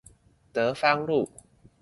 德芳路